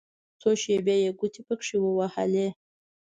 څو شېبې يې ګوتې پکښې ووهلې.